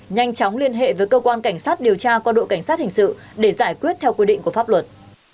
nhanh chóng liên hệ với cơ quan cảnh sát điều tra qua đội cảnh sát hình sự để giải quyết theo quy định của pháp luật